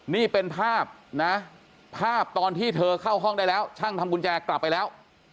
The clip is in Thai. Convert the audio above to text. นี่เป็นภาพนะภาพตอนที่เธอเข้าห้องได้แล้วช่างทำกุญแจกลับไปแล้ว